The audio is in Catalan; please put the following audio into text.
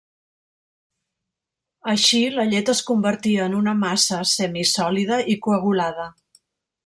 Així, la llet es convertia en una massa semisòlida i coagulada.